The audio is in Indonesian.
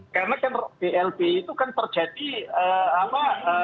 karena blpi itu kan terjadi apa